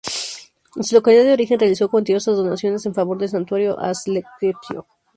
En su localidad de origen, realizó cuantiosas donaciones en favor del santuario a Asclepio.